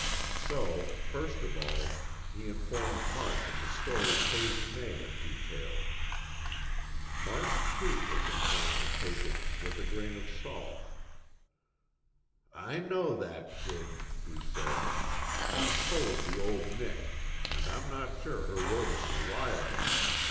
So, first of all he informed March of the story Posy May had detailed. March, too, was inclined to take it with a grain of salt. "I know that kid," he said. "She's full of the old Nick, and I'm not sure her word is reliable.